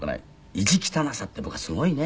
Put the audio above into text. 意地汚さって僕はすごいね。